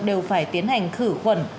đều phải tiến hành khử khuẩn